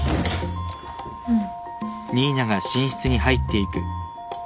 うん。